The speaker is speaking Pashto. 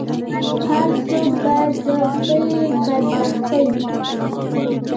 هر څوک باید د خپلې بدبختۍ.